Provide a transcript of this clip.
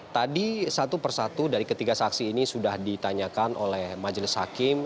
tadi satu persatu dari ketiga saksi ini sudah ditanyakan oleh majelis hakim